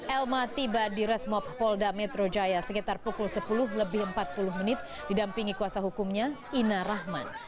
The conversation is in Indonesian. elma tiba di resmob polda metro jaya sekitar pukul sepuluh lebih empat puluh menit didampingi kuasa hukumnya ina rahman